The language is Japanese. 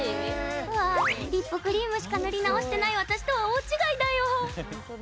うわあリップクリームくらいしか塗り直してない私とは大違いだよ。